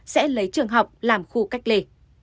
sẽ lấy trường học làm khu cách ly